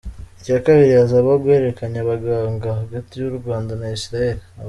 Icya kabiri hazabaho guhererekanya abaganga hagati y’u Rwanda na Israel.